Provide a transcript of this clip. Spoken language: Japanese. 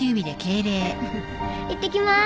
いってきます。